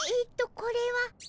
これは。